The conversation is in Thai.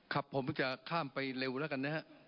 ครับผมจะข้ามไปเร็วแล้วกันนะฮะ